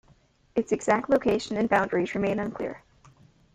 Its exact location and boundaries remain unclear.